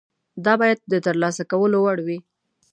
دا باید د ترلاسه کولو وړ وي.